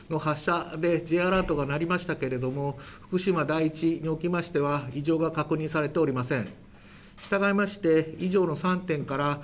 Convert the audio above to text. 本日早朝の北朝鮮によるロケットの発射でＪアラートが鳴りましたけれども福島第一沖に関しましては異常が確認されておりません。